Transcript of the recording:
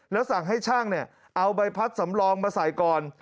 แล้วสั่งให้ช่างเอาใบพัดสำรองมาใส่ก่อน